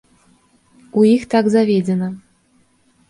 У іх так заведзена.